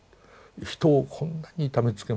人をこんなに痛めつけました。